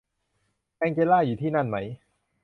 แองเจลล่าอยู่ที่นั่นมั้ย